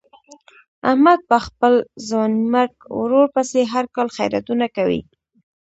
احمد په خپل ځوانیمرګ ورور پسې هر کال خیراتونه کوي.